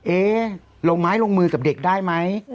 ลงไม้ลงมือกับเด็กได้ไหม